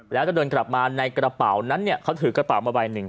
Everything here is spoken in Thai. แล้วก็เดินกลับมาในกระเป๋านั้นเนี่ยเขาถือกระเป๋ามาใบหนึ่ง